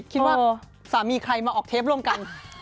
คิดว่าสามีใครมาออกเทปร่วมกัน